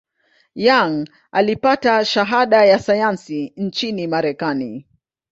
Young alipata shahada ya sayansi nchini Marekani.